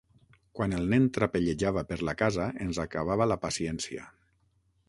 Quan el nen trapellejava per la casa ens acabava la paciència.